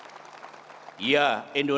dan saya akan soroti tiga perintah